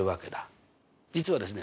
実はですね